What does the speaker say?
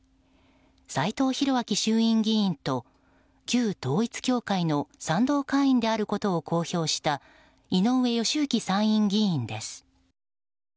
サイトウ・ヒロアキ衆議院議員と旧統一教会の賛同会員であることを公表した井上義行参院議員です。